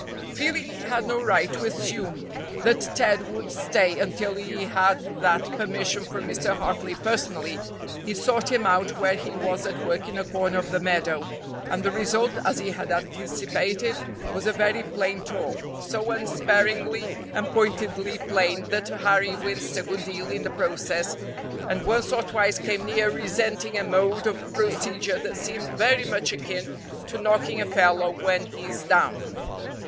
Feeling he had no right to assume that Ted would stay until he had that permission from Mr. Hartley personally, he sought him out, where he was at work in a corner of the meadow, and the result, as he had anticipated, was a very plain talk so unsparingly and pointedly plain that Harry winced a good deal in the process, and once or twice came near resenting a mode of procedure that seemed very much akin to knocking a fellow when he's down.